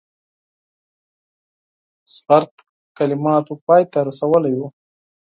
جدي کلماتو پای ته رسولی وو.